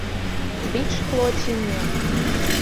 Біць шкло ці не?